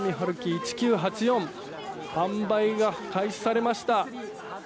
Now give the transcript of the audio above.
「１Ｑ８４」販売が開始されました。